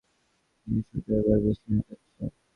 ইয়াশোদা এবার বেশী হয়ে যাচ্ছে।